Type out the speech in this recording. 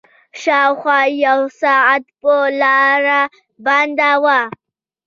شاوخوا يو ساعت به لاره بنده وه.